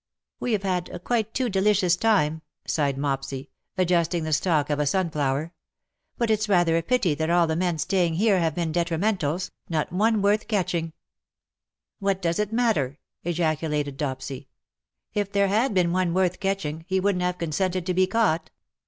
^^ We have had a quite too delicious time," sighed Mopsy, adjusting the stalk of a sunflower ;" but if s rather a pity that all the men staying here have been detrimentals — not one worth catching/^ " What does it matter V' ejaculated Dopsy. " If there had been one worth catching, he wouldn't have consented to be caught.